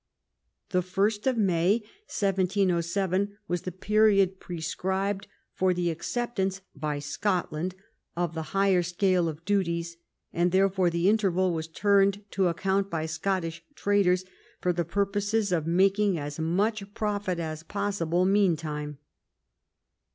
The 1st of May, 1707, was the period prescribed for the acceptance by Scotland of the higher scale of duties, and therefore the interval was turned to account by Scottish traders for the purpose of making as much profit as possible meantime.